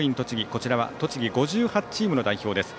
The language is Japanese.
こちらは栃木５８チームの代表です。